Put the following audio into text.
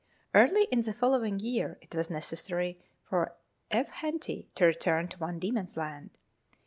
Early in the following year it was necessary for F. Henty to return to Van Diemen's Land.